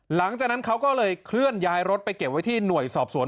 หลังจากนั้นเขาก็เลยเคลื่อนย้ายรถไปเก็บไว้ที่หน่วยสอบสวน